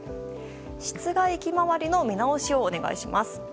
室外機周りの見直しをお願いします。